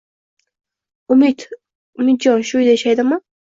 UmidUmidjon shu uyda yashaydimi